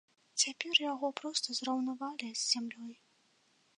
Цяпер яго проста зраўнавалі з зямлёй.